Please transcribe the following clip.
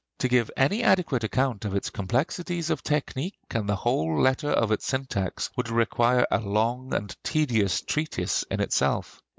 To give any adequate account of its complexities of technique and the whole letter of its syntax would require a long and tedious treatise in itself.